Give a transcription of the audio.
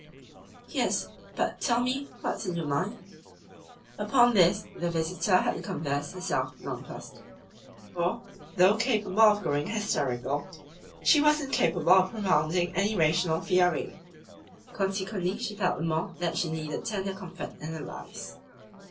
"Yes, but tell me what is in your mind?" Upon this the visitor had to confess herself nonplussed; for, though capable of growing hysterical, she was incapable of propounding any rational theory. Consequently she felt the more that she needed tender comfort and advice.